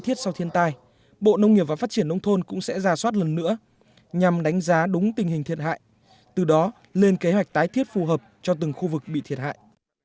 bộ nông nghiệp và phát triển nông thôn cũng sẽ ra soát lần nữa nhằm đánh giá đúng tình hình thiệt hại từ đó lên kế hoạch tái thiết phù hợp cho từng khu vực bị thiệt hại